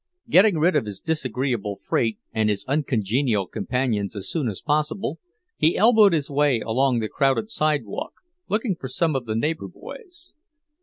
Getting rid of his disagreeable freight and his uncongenial companions as soon as possible, he elbowed his way along the crowded sidewalk, looking for some of the neighbour boys.